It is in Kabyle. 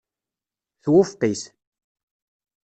Twufeq-it.